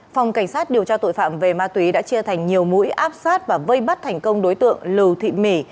phòng cảnh sát điều tra tội phạm về ma túy đã chia thành nhiều mũi áp sát và vây bắt thành công đối tượng lưu thị mỉ